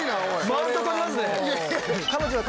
マウント取りますね。